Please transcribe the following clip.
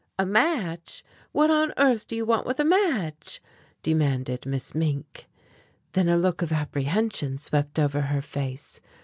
"A match? What on earth do you want with a match?" demanded Miss Mink. Then a look of apprehension swept over her face.